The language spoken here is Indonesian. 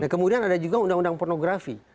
kemudian ada juga undang undang pornografi